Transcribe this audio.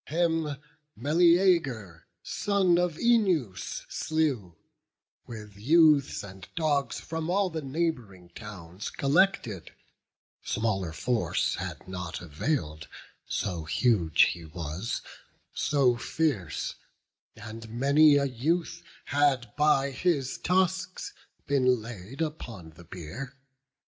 Him Meleager, son of Œneus, slew, With youths and dogs from all the neighbouring towns Collected; smaller force had not avail'd, So huge he was, so fierce; and many a youth Had by his tusks been laid upon the bier.